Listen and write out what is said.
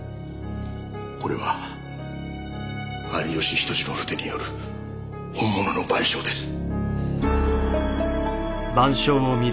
これは有吉比登治の筆による本物の『晩鐘』です。